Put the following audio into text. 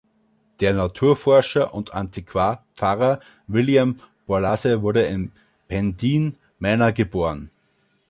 Der Naturforscher und Antiquar Pfarrer William Borlase wurde in Pendeen Manor geboren.